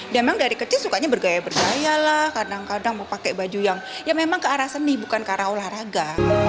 dia memang dari kecil sukanya bergaya gaya lah kadang kadang mau pakai baju yang ya memang ke arah seni bukan ke arah olahraga